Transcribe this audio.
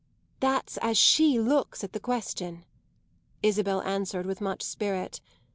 "That's as she looks at the question," Isabel answered with much spirit.